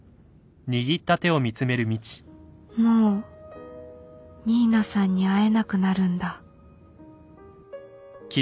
もう新名さんに会えなくなるんだ